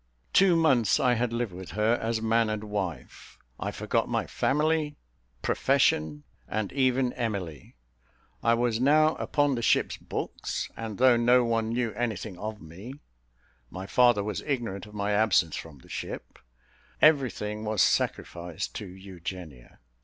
Two months I had lived with her, as man and wife; I forgot my family, profession, and even Emily. I was now upon the ship's books; and though no one knew anything of me, my father was ignorant of my absence from the ship everything was sacrificed to Eugenia.